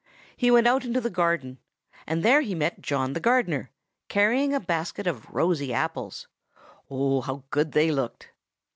He went out into the garden, and there he met John the gardener, carrying a basket of rosy apples. Oh! how good they looked!